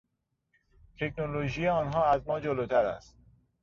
تکنولوژی آنها از ما جلوتر است.